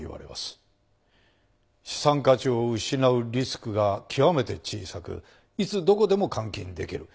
資産価値を失うリスクが極めて小さくいつどこでも換金出来る。